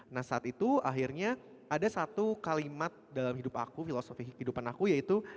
nah saat itu akhirnya ada satu kalimat dalam hidup aku filosofi kehidupan aku yaitu